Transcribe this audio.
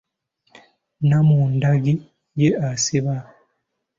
Namundagi ye asiba.